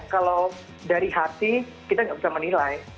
kalau dari hati kita nggak bisa menilai